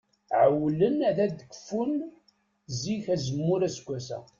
Ɛewwlen ad d-kfun zik azemmur aseggas-a.